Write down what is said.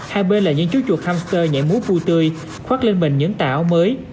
hai bên là những chú chuột hamster nhảy mút vui tươi khoát lên mình những tả áo mới